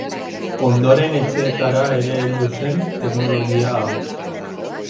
Ondoren etxeetara ere heldu zen teknologia hau.